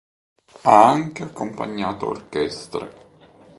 Ha anche accompagnato orchestre.